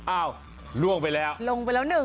อ้าวล่วงไปแล้วลงไปแล้วหนึ่ง